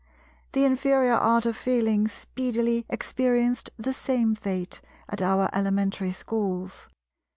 The inferior Art of Feeling speedily experienced the same fate at our Elementary Schools.